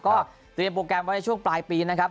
ก็เตรียมโปรแกรมไว้ในช่วงปลายปีนะครับ